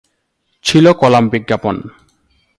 ছিল কলাম বিজ্ঞাপন।